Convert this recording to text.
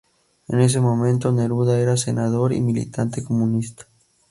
En ese momento, Neruda era senador y militante comunista.